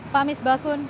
pak miss bakun